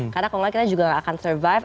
karena kalau gak kita juga gak akan survive